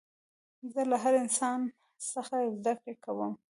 زه له هر انسان څخه زدکړه کوم.